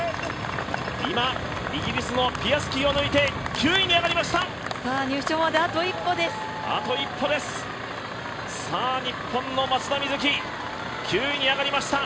今イギリスのピアスキーを抜いて９位に上がりました！